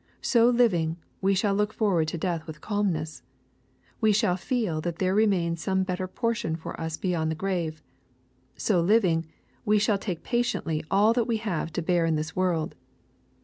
So living, we shall look forward to death with calmness. We shall feel that there remains some better portion foi us beyond the grave. — So living, we shall take patiently all that we have to bear in this world.